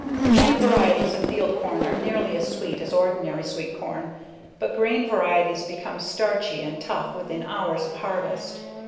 Many varieties of field corn are nearly as sweet as ordinary sweet corn, but grain varieties become starchy and tough within hours of harvest.